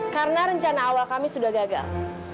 karena rencana awal kami sudah gagal